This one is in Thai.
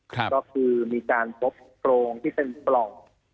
ก็คือมีการพบโกรงที่เป็นปล่อง